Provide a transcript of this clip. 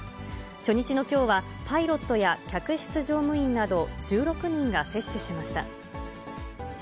初日のきょうは、パイロットや客室乗務員など１６人が接種しました。